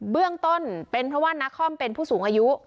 เบื้องต้นเป็นเพราะว่านักคอมเป็นผู้สูงอายุ